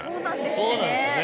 そうなんですよね。